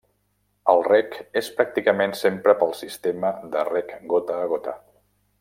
El reg és pràcticament sempre pel sistema de reg gota a gota.